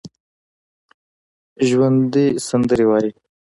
ژوندي سندرې وايي